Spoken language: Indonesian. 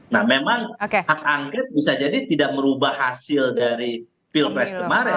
nah memang hak angket bisa jadi tidak merubah hasil dari pilpres kemarin